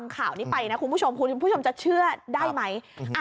คุณผู้ชมอย่างคิดเข้าใจมั้ย